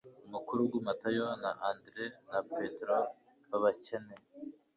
Umukurugu Matayo na Andereya na Petero b'abakene,